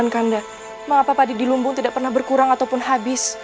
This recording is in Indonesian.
kenapa padidik lumbung tidak pernah berkurang ataupun habis